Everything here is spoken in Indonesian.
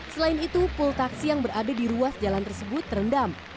selain itu pul taksi yang berada di ruas jalan tersebut terendam